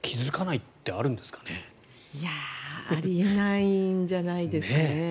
いや、あり得ないんじゃないですか。